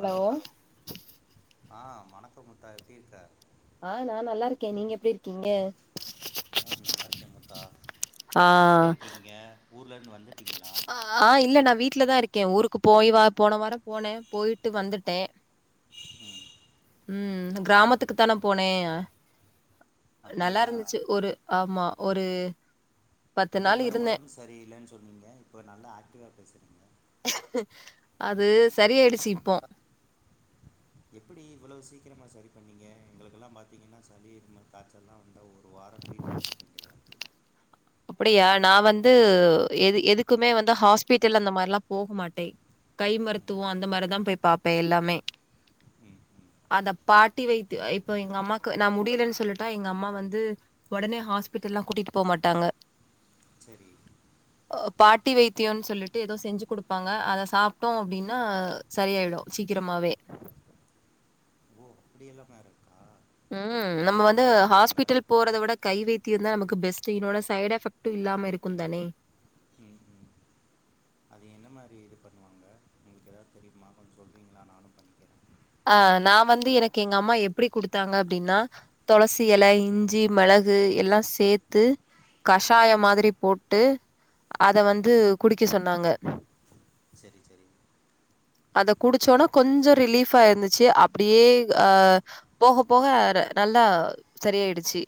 Hello ஆ வணக்கம் அக்கா எப்டி இருக்க ஆ நா நல்லா இருக்கே நீங்க எப்டி இருக்கீங்க ஆ நல்லா இருக்கே மக்கா ஆ எங்க இருக்கீங்க ஊர்ல இருந் வந்துட்டீங்களா ஆ இல்ல நா வீட்லதா இருக்கே ஊருக்கு போய் வா போன வாரோ போனே போய்ட்டு வந்துட் டே ம் ம் கிராமத்துக்குதான போனே நல்லா அப்படியா இருந்துச்சு ஒரு ஆமா ஒரு பத்து நாள் உங்களுக்கு வேற இருந்தே ஒடம்பு சரி இல்லன் சொன்னீங்க இப்போ நல்லா ஆக்டிவா பேசுறீங் அது சரியாயிடுச்சு இப்போ எப்படி இவ்வளவு சீக்கிரமா சரி பண்ணீங்க எங்களுக்கெல்லா பாத்தீங்கன்னா சளி இருமல் காச்சல்லா வந்தா ஒரு வாரோ ட்ரீட்மெண்ட் [unintelligible] அப்படியா நா வந்து எது எதுக்குமே வந்து ஹாஸ்பிட்டல் அந்த மார்ல்லா போக மாட்டே கை ம் மருத்துவோ அந்த மாரிதா போய் பாப்பே எல்லாமே ம் ம் அந்த பாட்டி வைத் இப்ப எங்க அம்மாக்கு நா முடிலன் சொல்லிட்டா எங்க அம்மா வந்து ஒடனே ஹாஸ்பிட்டல்லா கூட்டிட்டு போ மாட்டாங்க செரி பாட்டி வைத்தியோன் சொல்லிட்டு எதோ செஞ்சு குடுப்பாங்க அத சாப்ட்டோ அப்டீனா சரியாயிடு சீக்கிரமாவே அப்டி எல்லாம இருக்கா ம் அது நம்ம என்ன வந்து பண்ணுவாங்க ஹாஸ்பிட்டல் போறத விட கை வைத்தியோ தா நமக்கு பெஸ்ட்டு இன்னொன்னு சைட் எஃபெக்டு இல்லாம இருக்குந்தானே ம் ம் அது என்ன மாரி இது பண்ணுவாங்க உங்குளுக்கு எதாது தெரியுமா கொஞ்சோ சொல்கிறீங்களா நானு பண்ணிக்கிறே அ நா வந்து எனக்கு எங்கம்மா எப்டி குடுத்தாங்க அப்டின்னா தொளசி ம் எல இஞ்சி மெளகு எல்லா சேத்து ம் கஷாயம் மாதிரி போட்டு அத ம் வந்து குடிக்க சொன்னாங்க செரி செரி அத குடிச்சோனா கொஞ்சோ ரிலீஃபா இருந்துச்சு அப் அப்டியே அ போக போக ர நல்லா சரியாயிடுச்சு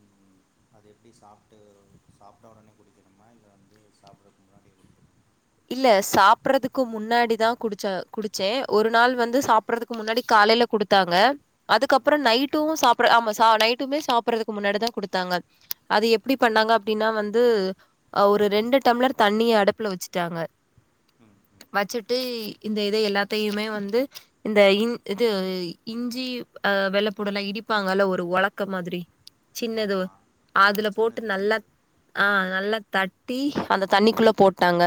ம், அது எப்டி சாப்ட்டு சாப்ட்ட உடனே குடிக்கணுமா இல்ல வந்து சாப்புட்றதுக்கு முன்னாடியே குடிக்கணு இல்ல சாப்பர்றதுக்கு முன்னாடிதா குடிச்சு குடிச்சே ஒரு நாள் வந்து ம் சாப் பர்றதுக்கு முன்னாடி காலைல குடுத்தாங்க ம் அதுக்கப்றோ ம் நைட்டு சாப்பர ஆமா சா நைட்டுமே சாப்பர்றதுக்கு முன்னாடிதா குடுத்தாங்க அது எப்டி ம் பண்ணாங்க அப்டின்னா வந்து அ ஒரு ரெண்டு டம்ளர் தண்ணிய அடுப்புல வச்சு டாங்க ம் ம் ம் வச்சுட்டு இந்த இத எல்லாத்தையுமே வந்து இந்த இன் இது இஞ்சி அ வெள்ள பூண்டு எல்லா இடிப்பாங்கல்ல ஒரு ஒலக்க மாதிரி சின்னதுவோ ஆமாம் ஆ அதுல போட்டு சின்னது நல்லா சின்னது ஆ நல்லா தட்டி அந்த தண்ணிக்குள்ள ம் போட்டாங்க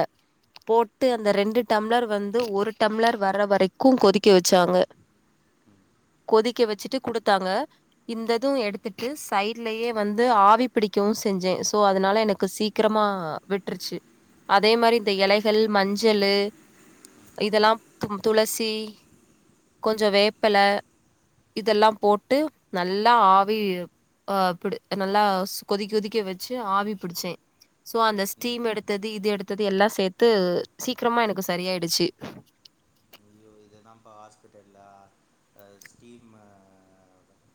போட்டு ம் அந்த ரெண்டு டம்ளர் வந்து ஒரு டம்ளர் வர்ற வரைக்கு கொதிக்க வச்சாங்க ம் கொதிக்க வச்சிட்டு குடுத்தாங்க இந்த இது ம் எடுத்துட்டு சைட்லயே வந்து ஆவி பிடிக்கவு செஞ்சே சோ அதனால எனக்கு சீக் கிரமா விட்ருச்சு அதே மாரி இந்த எலைகள் மஞ்சளு இதெல்லா தும் துளசி கொஞ்சோ வேப்பெல இதெல்லா ம் போட்டு நல்லா ஆவி ஆ புடி நல்லா சு கொதிக்க கொதிக்க வச்சு ஆவி பு டிச்சே சோ அந்த ம் ஸ்டீம் எடுத்துது இது எடுத்தது எல்லா சேத்து சீக்ரமா எனக்கு சரியாயிடுச்சு இத தாம் பா ஹாஸ்பிட்டல்ல ஆ ஸ்டீமு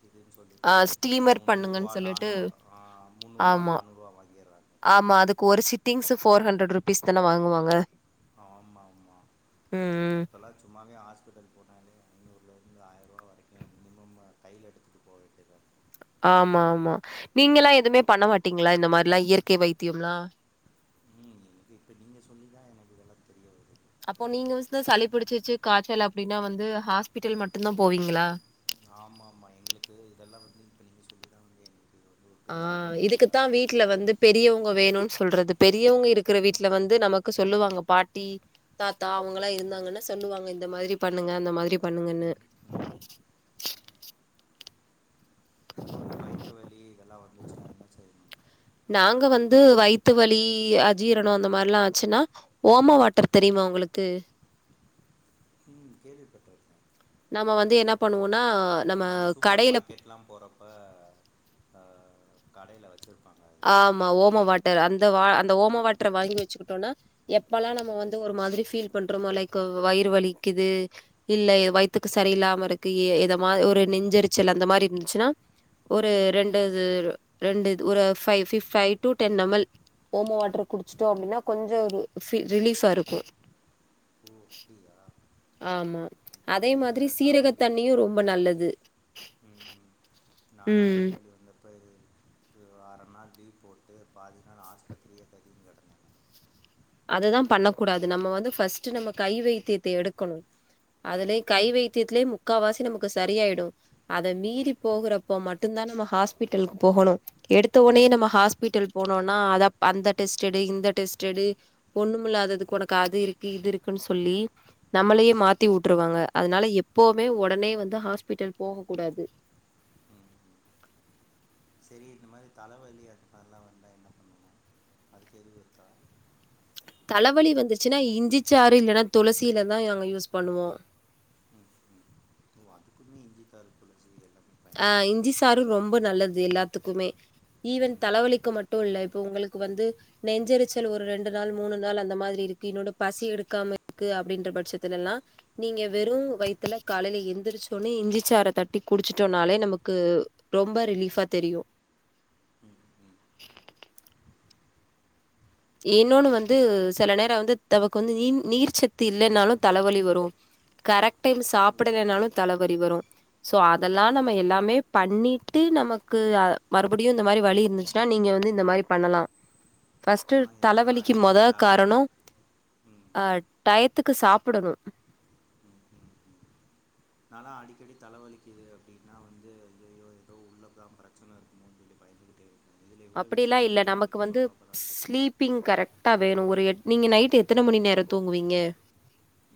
இதுன் ஆ சொல்ட்டு ஸ்டீமர் முந்நூற்வா பண்ணுங்கன்னு சொல்லிட்டு நானூறுவா ஆ முந்நூற்வா ஆமா. நானூர்வா வாங்கிர்றாங்க ஆமா அதுக்கு ஒரு சிட்டிங்சு ஃபோர் ஹண்டர் ருபீஸ் தான வாங்குவாங்க ஆமா ஆமா ம், ம். இப்பல்லா சும்மாவே ஹாஸ்பிட்டலு போனாலே ஐநூறுலருந்து ஆயர்ருவா வரைக்கு மினிமம் கைல எடுத்துகிட்டு போவ வேண்டியதா இருக் ஆமா ஆமா நீங்கலா எதுமே பண்ண மாட்டீங்ளா இந்த மாரிலா இயற்கை வைத்தியம்லா ம் இது இப்ப நீங்க சொல்லி தா எனக்கு இதலா தெரிய வருது அப்போ நீங்க [unintelligible] சளி பிடிச்சுச்சு காய்ச்சல் அப்டின்னா வந்து ஹாஸ்பிட்டல் மட்டுந்தா போவீங்களா ஆமா ஆமா எங்களுக்கு இதெல்லா வந்து இப்போ நீங்க சொல்லி தா வந்து எங்குளுக்கு ஆ இதுக்குத்தா வீட்ல வந்து பெரியவங்க வேணுன் சொல்றது பெரியவங்க இருக்குற ம் வீட்ல வந்து நமக்கு சொல்லுவாங்க பாட்டி தாத்தா அவுங்கலா ம் இருந்தாங்கன்னா சொல்லுவாங்க இந்த மாரி பண்ணுங்க அந்த மாரி பண்ணுங்கன்னு ம் ம் இன்னொன்னு வைத்த வலி இதெல்லா வந்துச்சுனா என்ன செய்ணு நாங்க வந்து வைத்து வலி அஜீரனோ அந்த மாரிலா ஆச்சுன்னா ஓம வாட்டர் தெரியுமா உங்குளுக்கு ம் கேள்விப்பட்ருக்கே நாம வந்து என்ன பண்ணுவோனா நாங்க சூப்பர் மார்க்கெட்லா போறப்ப ஆ கடைல வச்சுருப்பாங்க அது ஆமா ஓம வாட்டர் அந்த வா அந்த ஓம வாட்ர வாங்கி வச்சுக்கிட்டோன்னா எப்பலா நம்ம ம் வந்து ஒரு மாதிரி ஃபீல் பண்றோமோ லைக்கு வயிறு வலிக்குது இல்ல வயித்துக்கு சரியில்லாம இருக்கு‌‌ எ எத மா ஒரு நெஞ்செரிச்சல் அந்த மாரி இருந்துச்சுனா ஒரு ம் ரெண்டது ரெண்டு து ஒரு ஃபை ஃபி ஃபை டு டென் எமல் ஓம வாட்ரு குடிச்சுட்டோ ம் அப்டின்னா கொஞ்சொ ஒரு ஃபி ரிலீஃபா இருக்கு ஓ அப்படியா ஆமா அதே இங்கே மாதிரி வேறு நான் சீரக வந்து தண்ணியு ரொம்ப நல்லது நாலா ம். வயிறு வலி வந்தப்ப இது இது ஒரு‌‌ அர நாள் லீவ் போட்டு பாதி நாள் ஆஸ்பத்திரியே கதின் கடந்தே அததா பண்ணக்கூடாது நம்ம வந்து ஃபஸ்ட்டு நம்ம கை வைத்தியத்த எடுக்கனு அதுலே ம், கை ம், வைத்தியத்துலே முக்கா வாசி நமக்கு சரியாயிடு அத மீறி ம், ம், போகுறப்போ மட்டுந்தா நம்ம ஹாஸ்பிட்டலுக் போகனு எடுத்தோனே ம். நம்ம ஹாஸ்பிட்டல் போனோனா அதப் அந்த டெஸ்ட்டெடு இந்த டெஸ்ட்டெடு ஒன்னுமில்லாததுக்கு ஒனக்கு அது இருக்கு இது இருக்குன் சொல்லி ம் நம்மளயே மாத்தி வுட்ருவாங்க அதுனால எப்பவுமே ஒடனே வந்து ஹாஸ்பிட்டல் போக கூடாது ரி‌ இந்த மாரி தலவலி அதுமார்லா வந்தா என்ன பண்வீங்க அதுக்கு எதுவு இருக்கா தலவலி வந்துச்சுன்னா இஞ்சிச்சாறு இல்லன்னா துளசியில தா நாங்க யூஸ் பண்ணுவோ ம், ம். ஓ அதுக்குமே இஞ்சிச்சாறு துளசி எல அ இஞ்சி சாறு ரொம்ப நல்லது எல்லாத்துக்குமே ஈவன் ம், தலவலிக்கு மட்டு இல்ல இப்ப உங்களுக்கு வந்து நெஞ்செரிச்சல் ஒரு ரெண்டு நாள் மூணு நாள் அந்த மாதிரி இருக்கு இன்னொனு பசி எடுக்காம இருக்கு அப்டின்ற பட்சத்துலல்லா நீங்க ம், வெறு‌ ம், வயித்துல காலைல எந்திரிச்சோனே இஞ்சிச்சாற தட்டி குடு ச்சுட்டோன்னாலே நமக்கு ரொம்ப ரிலீஃபா தெரியு ம், ம். இன்னோனு‌ வந்து செல நேர‌ வந்து தவக்கு வந்து நீ நீர்ச்சத்து இல்லன்னாலு தலவலி வரு கரெக்ட் டைம் ஓ சாப்பிடலனாலு அப்படியா தலவரி வரு ஸோ அதெல்லா சரி நம்ம சரி சரி எல்லாமே பண்ணிட்டு நமக்கு அ மறுபுடியு இந்த மாரி வலி இருந்துச்சுன்னா நீங்க வந்து இந்த மாரி பண்ணலா ஃபஸ்ட்டு ஆ எனக்கெல்லாம் தலவலிக்கு மொத அடிக்கடி தலை காரணொ ம் அ டயத்துக்கு சாப்புடனு நாலா அடிக்கடி தலவலிக்குது அப்டின்னா வந்து ஐய்யய்யோ எதோ உள்ள தா பிரச்சன இருக்குமோன் சொல்லி பயந்துகிட்டே இருப்பே இதுல இவ்ளோ விஷயொ இருக்குன்‌ நீங்க இப்ப சொல்றப்ப தா தெ ப்பிங் கரெக்ட்டா வேணு ஒரு எட் நீங்க நைட் எத்தன மணி நேர தூங்குவீங்க?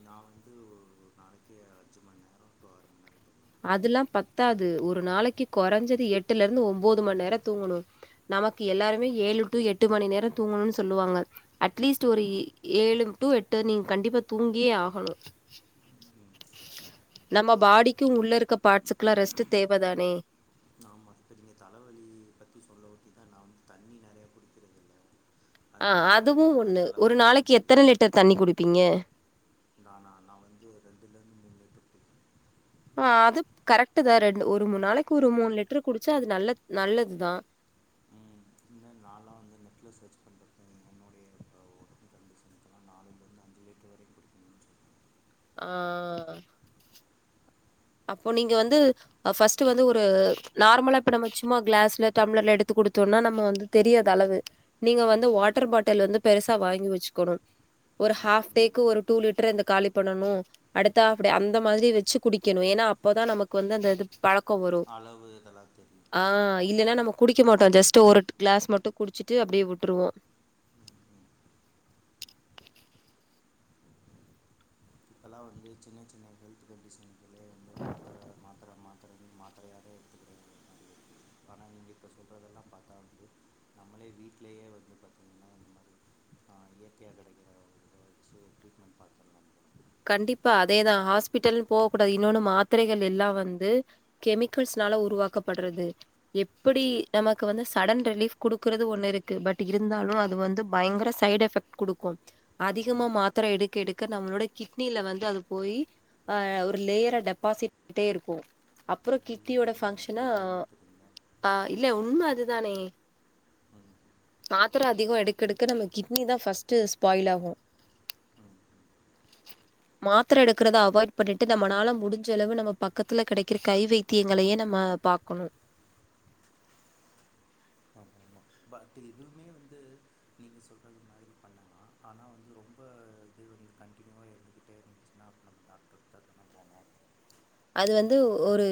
நா வந்து ஒரு‌ நாளக்கி அஞ்சு மண் நேர டு ஆறு ம அதுல்லா பத்தாது ஒரு நாளைக்கு கொறஞ்சது எட்டுலருந்து ஒம்போது மண் நேர தூங்கனு நமக்கு எல்லாருமே ஏழு டு எட்டு மணி நேரொ தூங்கணுன் சொல்லுவாங்க அட்லீஸ்ட் ஒரு ஆமாம் ஏழு டு எட்டு நீங்க கண்டிப்பா தூங்கியே ஆகனு ம் நம்ம பாடிக்கு உள்ள இருக்க பாட்ஸுக்லா ரெஸ்ட்டு தேவதானே ஆமா இப்ப நீங்க தலவலி பத்தி சொல்லவொட்டி தா நா வந்து தண்ணி நெறய குடுக்கிறதில்ல ஆ அதுவு ஒன்னு ஒரு நாளைக்கி தலைவலிக்குதுன்னு எத்தன லிட்டர் தண்ணி குடுப்பீங்க நானா நா வந்து ரெண்டுலெர்ந்து மூணுலிட்டர் குடி ஆ அது கரெக்ட்டு தா ரெண்டு ஒரு மூணு நாளைக்கி ஒரு மூணு லிட்ரு குடுச்சா அது நல்ல நல்லதுதா என்ன‌ நால்லா வந்து நெட்ல சர்ச் பண்ணிருக்கே என்னுடைய ஒடம்பு கன்டிஷன்க்குலா நாலுலெர்ந்து அஞ்சு லிட்ரு வரையு குடி ஆ அப்போ நீங்க வந்து அ ஃபஸ்ட்டு‌ வந்து ஒரு நார்மலா இப்ப நம்ம சும்மா கிளாஸ்ல டம்ளர்ல எடுத்து குடுத்தோன்னா நம்ம வந்து தெரியாதளவு நீங்க வந்து வாட்டர் பாட்டல் வந்து பெருசா வாங்கி வச்சிகுனு ஒரு ஹாப் டேக்கு ஒரு டூ லிட்ரு இந்த காலிபண்ணனு அடுத்த ஆப் டே அந்த மாரி வச்சு குடி கணு அப்பதா நமக்கு வந்து அந்த இது பழக்கொ வரு அளவு இதெல்லாம் தெரியும் ஆ கரெக்ட். இல்லனா நம்ம குடிக்கமாட்டோ ஜஸ்ட்டு ஒரு கிளாஸ் மட்டு குடிச்சுட்டு அப்டியே விட்ருவோ ம் ம் இப்பெல்லா வந்து சின்ன சின்ன ஹெல்த் கண்டிஷன்லே வந்து மாத்ர மாத்ர மாத்ரன்னு மாத்ரையாவே எடுத்துக்கிற ஆனா நீங்க இப்ப சொல்றதெல்லா பாத்தா வந்து நம்மளே வீட்லேயே வந்து பாத்தீங்கன்னா இந்த மாரி ஆ இயற்கையா கெடைக்கிற [inaudible] கண்டிப்பா அதேதா ஹாஸ்பிட்டல் போவ கூடாது இன்னொன்னு மாத்திரைகள் எல்லா வந்து கெமிக்கல்ஸ்னால உருவாக்கப்படறது எப்படி ம் நமக்கு வந்து சடன் ரிலீஃப் குடுக்கறது ஒன்னுருக்கு பட் இருந்தாலு அது வந்து பயங்கர சைட் எஃப் பெக்ட் குடுக்கு அதிகமா ம் மாத்ர எடுக்க எடுக்க நம்மளோட கிட்னியில வந்து அது போயி அ ஒரு லேயரா டெபாசிட் [inaudible] இருக்கு அப்பறொ கிட் ஐயோ கிட்னியோட என்ன பங்க்ஷன இப்படி பயமுறுத்துறீங்க ஆ இல்ல உண்ம அதுதானே ஆமாம் மாத்ர அதிகொ எடுக்கெடுக்க நம்ம கிட்னி தா ஃபர்ஸ்ட்டு ஸ்பாயில் ஆகு மாத்ர எடுக்றத அவாய்ட் பண்ணிட்டு நம்மளால முடிஞ்சளவு நம்ம பக்கத்துல கெடைக்கிற கை வை த்தியங்களயே நம்ம பாக்கனு ஆமாம் பட் எதுவுமே வந்து நீங்க சொல்றது மாரி பண்லா ஆனா வந்து ரொம்ப இது வந்து கண்டினியூவா இருந்துகிட்டே இரு னா நம்ம டாக்டர [inaudible] [inaudible] அது வந்து ஒரு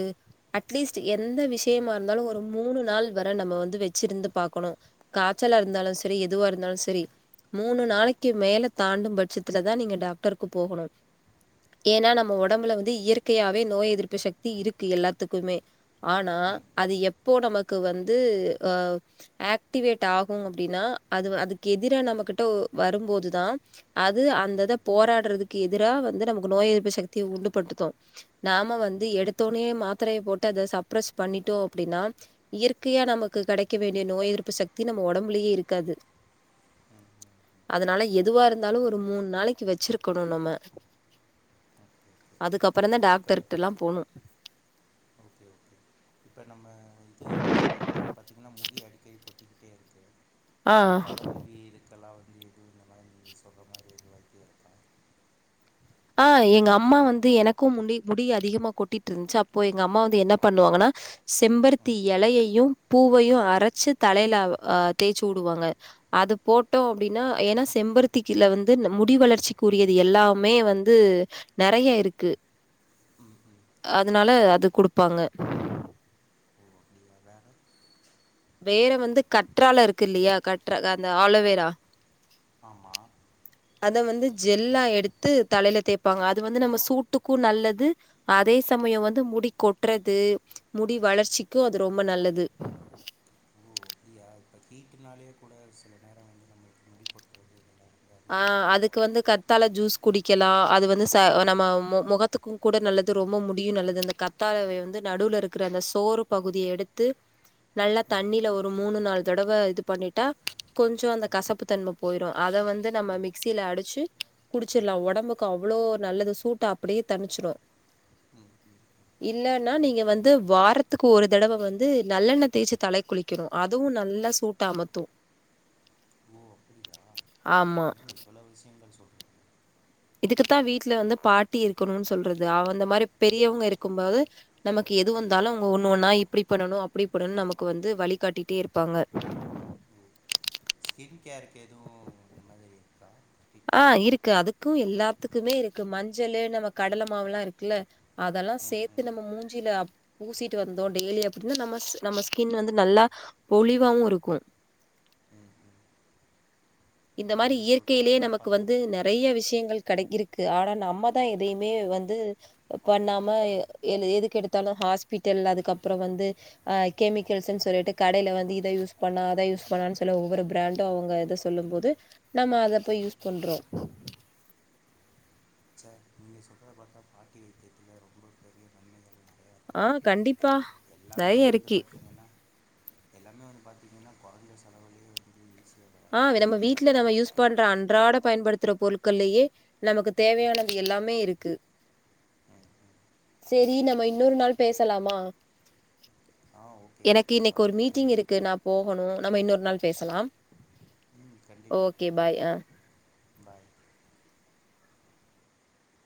அட்லீஸ்ட் எந்த விஷயமா இருந்தாலு ஒரு மூணு நாள் வர நம்ம வந்து வச்சிருந்து பாக்கனு காச்சலா ம் இருந்தாலு சரி எதுவா இருந்தாலு சரி மூணு ம் நாளைக்கு மேல தாண்டு பட்சத்துல தா நீங்க டாக்டருக்கு போகனு ஏனா நம்ம ஒடம்புல வந்து இயற்கையாவே நோய் எதிர்ப்பு சக்தி இருக்கு எல்லாத்துக்குமே ஆனா அது ம் எப்போ நமக்கு வந்து அ ஆக்டிவேட் ஆகு அப்டின்னா அது அதுக்கு எதிரா நம்மகிட்ட வருபோதுதா அது ம் ம் அந்தத போராடுறதுக்கு எதிரா வந்து நமக்கு நோய் எதிர்ப்பு சக்திய உண்டுபடுத்து நாம வந்து எடுத்தோனேயே மாத்தரய போட்டு அத சப்ரஸ் பண்ணிட்டோ அப்டினா இயற்கையா நமக்கு கெடைக்க வேண்டிய நோய் எதிர்ப்பு சக்தி நம்ம ஒடம்புலயே இருக்காது ம் ம் ம் அதனால எதுவா இருந்தாலு ஒரு மூணு நாளைக்கி வச்சிருக்னு நம்ம ஓகே ஓகே அதுக்கப்பறந்தா இப்போ டாக்டர்கிட்டல்லா போனு ஓகே ஓகே இப்போ நம்ம வந்து எனக் கு பாத்தீங்கனா முடி அடிக்கடி கொட்டிக்கிட்டே இருக்கு ஆ. இந்த தலமுடி இருக் இதுக்கெல்லா வந்து எது இந்த மாரி நீங்க சொல்றமாரி எது வைத்தியோ இருக்கா ஆ எங்க அம்மா வந்து எனக்கு முடி முடி அதிகமா கொட்டிட்டு இருந்த்ச்சு அப்போ எங்க அம்மா வந்து என்ன பண்ணுவாங்கனா செம்பருத்தி ம் எலயையு பூவயு அரச்சி தலைல அ தேச்சு உடுவாங்க அது போட்டோ அப்டின்னா ஏன்னா செம்பருத்திகில வந்து இந்த முடி வளர்ச்சிக்குரியது எல்லாமே வந்து அது நெறைய இருக்கு ம் ம் அதனால அது குடுப்பாங்க ஓ அப்டியா வேற வேற வந்து கற்றால இருக்கு இல்லியா கற்ற அந்த ஆலுவேரா ஆமா அத வந்து ஜெல்லா எடுத்து தலையில தேய்ப்பாங்க அது வந்து நம்ம சூட்டுக்கு நல்லது அதே சமய வந்து முடி கொட்றது முடி வளர்ச்சிக்கு அது ரொம்ப நல்லது இப்ப இப்ப ஹீட்டுனாலயே கூட சில நேர வந்து நம்மளுக்கு முடி கொட்டுவது ஆ அதுக்கு வந்து க த்தால ஜூஸ் குடிக்கலா அது வந்து ச நம்ம மொ மொகத்துக்கு கூட நல்லது ரொம்ப முடியு நல்லது அந்த க த்தாலவை வந்து நடுவுல இருக்கிற அந்த சோறு பகுதிய எடுத்து நல்லா ம் தண்ணில ஒரு மூணு நாலு தடவ இது பண்ணிட்டா கொஞ்சோ அந்த ம் கசப்பு தன்மை போயிரு அத வந்து நம்ம மிக்சில அடிச்சு குடிச்சுர்லா ஒடம்புக்கு அவ்ளோ நல்லது சூட்ட அப்டியே தனிச்சிடு ம் இல்லன்னா நீங்க வந்து வாரத்துக்கு ஒரு தடவ வந்து நல்லெண்ண தேச்சு தலைக் குளி க்கனு அதுவு நல்ல சூட்ட அமத்து ஓ அப்பிடியா ஆமா. இவ்வளவு விஷயங்கள் சொல்றீங்க இதுக்குத்தா வீட்ல வந்து பாட்டி இருக்கணுனு சொல்றது அந்த மாரி ம் பெரியவங்க இருக்கும்போது நமக்கு எது ம் வந்தாலு அவுங்க ஒன்னு ஒன்னா இப்டி பண்ணணு அப்டி பண்ணணு நமக்கு வந்து வழிகாட்டிட்டே இருப்பாங்க ஓ ஸ்கின் கேருக்கு எதுவு இந்த மாதிரி இருக்கா ஆ ட்ரீட்மெண்ட்டு இருக்கு அதுக்கு எல்லாத்துக்குமே இருக்கு மஞ்சளு நம்ம கடலை மாவு எல்லா இருக்குல்ல அதெல்லா ம் சேத்து ம் நம்ம மூஞ்சில அப் பூசிட்டு வந்தோ டெய்லி அப்பிடின்னா நம்ம ஸ் நம்ம ஸ்கின் வந்து நல்லா பொழிவாவு இருக்கு ம் ம் இந்த மாரி நீங்கள் இயற்கையிலேயே சொல்கிறதெல்லாம் நமக்கு பார்த்தா வந்து நெ றைய விஷயங்கள் கடை இருக்கு ஆனா நம்ம தா எதையுமே வந்து பண்ணாம எ ஏழு எதுக்கு எடுத்தாலு ஹாஸ்பிட்டல் அதுக்கப்புற வந்து ஆ கெமிக்கல்ஸ்ன்னு சொல்லிட்டு கடையில வந்து இதை யூஸ் பண்ணா அத யூஸ் பண்ணானு சொல்லி ஒவ்வொரு பிராண்டு அவுங்க இத ஸ் சொல்லும் போது நம்ம அத அப்ப யூஸ் பண்றோ ச நீங்க சொல்றத பாத்தா பாட்டி வைத்தியத்துல ரொம்ப பெரிய நன்மைகள்லா ஆ கண்டிப்பா எல்லாமே நெறைய வந்து இருக்கு. பாத்தீங்கன்னா எல்லாமே வந்து பாத்தீங்கன்னா கொறைஞ்ச செலவுலையே வந்து ஈஸியா தா ஆ நம்ம வீட்ல நம்ம யூஸ் பண்ற அன்றாட பயன்படுத்துற பொருள்கள்லயே நமக்கு தேவையானது எல்லாமே இருக்கு ஆ சேரி நம்ம இன்னொரு நாள் பேசலாமா ஆ ஓகே எனக்கு இன்னைக்கு ஒரு கண்டிப்பாக மீட்டிங் நீங்கள் இருக்கு நா போகணு நம்ம இன்னொரு நாள் பேசலாம் கண்டிப்பா ஓகே பாய் பாய்